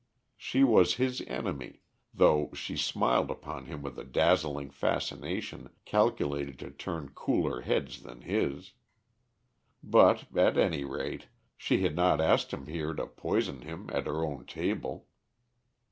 She was his enemy, though she smiled upon him with a dazzling fascination calculated to turn cooler heads than his. But, at any rate, she had not asked him here to poison him at her own table.